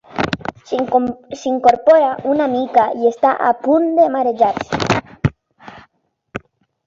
S'incorpora una mica i està a punt de marejar-se.